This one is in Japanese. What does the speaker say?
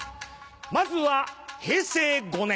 まずは平成５年。